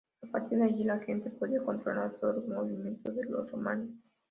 A partir de ahí, la gente podía controlar todos los movimientos de los romanos.